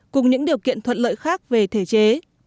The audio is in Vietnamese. cùng những điều kiện thuận lợi khác về thể chế